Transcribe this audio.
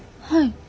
はい。